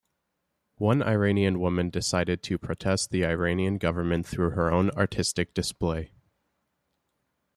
One Iranian woman decided to protest the Iranian government through her own artistic display.